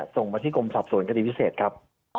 ส่งมาที่กรมสอบสวนคดีพิเศษครับ